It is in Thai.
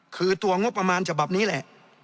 คือตัวงบประมาณฉบับนี้แหละ